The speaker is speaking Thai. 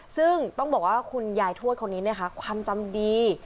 ซึ่งต้องบอกว่าคุณยายทวดคนนี้นะคะความจำดี